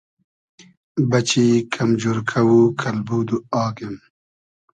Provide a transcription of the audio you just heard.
بئچی کئم جورکۂ و کئلبود و آگیم